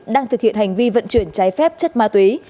đang thực hiện hành vi vận chuyển trái phép chất ma túy